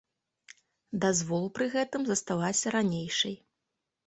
Дазвол пры гэтым засталася ранейшай.